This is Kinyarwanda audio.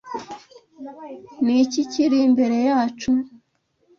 Ni iki kiri imbere yacu?